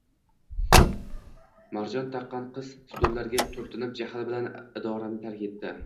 Marjon taqqan qiz stullarga turtinib, jahl bilan idorani tark etdi